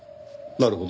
「なるほど」？